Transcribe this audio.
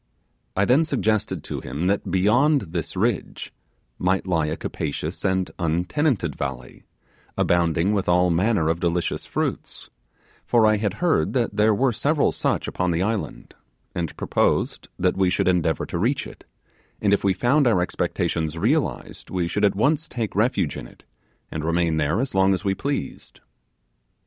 I then suggested to him that beyond this ridge might lie a capacious and untenanted valley, abounding with all manner of delicious fruits; for I had heard that there were several such upon the island, and proposed that we should endeavour to reach it, and if we found our expectations realized we should at once take refuge in it and remain there as long as we pleased.